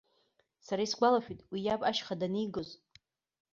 Сара исгәалашәоит уи иаб ашьха данигоз.